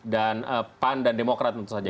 dan pan dan demokrat tentu saja